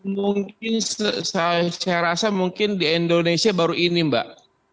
mungkin saya rasa mungkin di indonesia baru ini mbak